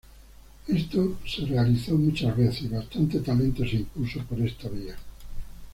Esto se realizó muchas veces y bastante talento se impulso por esta vía.